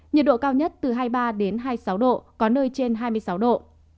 nhiệt độ cao nhất từ hai mươi ba hai mươi sáu độ có nơi trên hai mươi sáu độ